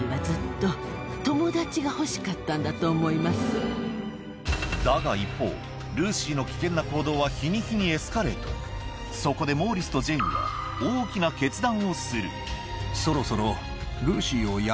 そしてだが一方ルーシーの危険な行動は日に日にエスカレートそこでモーリスとジェーンは大きなそう。